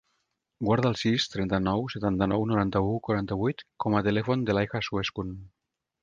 Guarda el sis, trenta-nou, setanta-nou, noranta-u, quaranta-vuit com a telèfon de l'Aicha Suescun.